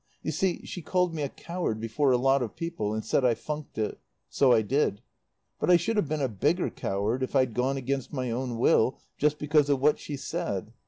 You see, she called me a coward before a lot of people and said I funked it. So I did. But I should have been a bigger coward if I'd gone against my own will, just because of what she said.